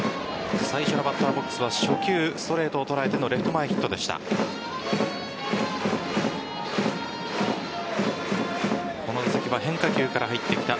最初のバッターボックスは初球、ストレートを捉えてのレフト前ヒットでした。